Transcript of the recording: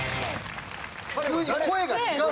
急に声が違う！